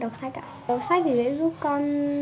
đọc sách ạ đọc sách thì sẽ giúp con